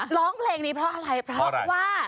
ร้องเพลงนี้เพราะอะไรเพราะว่า